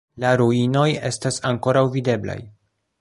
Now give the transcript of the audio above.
La ruinoj estas ankoraŭ videblaj.